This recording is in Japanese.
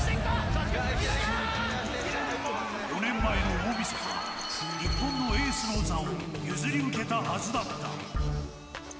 ４年前の大みそか日本のエースの座を譲り受けたはずだった。